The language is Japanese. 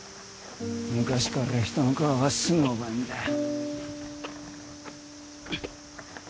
昔から他人の顔はすぐ覚えるんだよ。